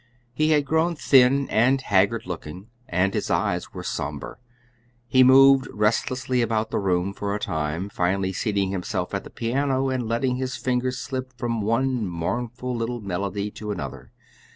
He had grown thin and haggard looking, and his eyes were somber. He moved restlessly about the room for a time, finally seating himself at the piano and letting his fingers slip from one mournful little melody to another.